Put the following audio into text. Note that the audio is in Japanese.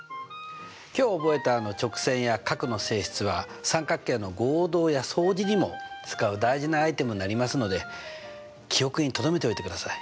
今日覚えた直線や角の性質は三角形の合同や相似にも使う大事なアイテムになりますので記憶にとどめておいてください。